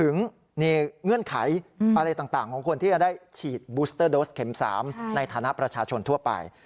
ในฐานะประชาชนทั่วไป